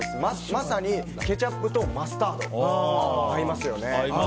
まさにケチャップとマスタード合いますよね。